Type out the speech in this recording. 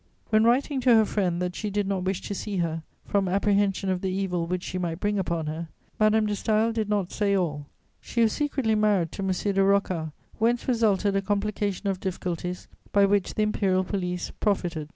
] When writing to her friend that she did not wish to see her, from apprehension of the evil which she might bring upon her, Madame de Staël did not say all: she was secretly married to M. de Rocca, whence resulted a complication of difficulties by which the imperial police profited.